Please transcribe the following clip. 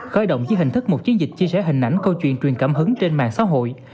khởi động dưới hình thức một chiến dịch chia sẻ hình ảnh câu chuyện truyền cảm hứng trên mạng xã hội